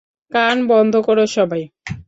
কান বন্ধ করো সবাই।